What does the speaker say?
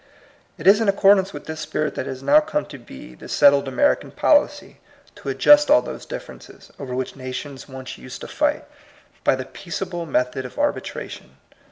It is in accordance with this spirit that k it has now come to be the settled Ameri ^^ can policy to adjust all those differences, I I over which nations once used to fight, by the peaceable method of arbitration.